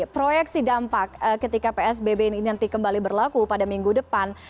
proyeksi dampak ketika psbb ini nanti kembali berlaku pada minggu depan